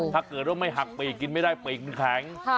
ถ้าเกิดว่าไม่หักปีกกินไม่ได้ปีกมันแข็ง